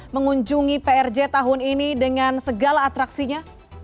mengunjungi prj tahun ini dengan segala atraksinya